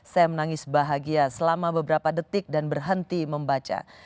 saya menangis bahagia selama beberapa detik dan berhenti membaca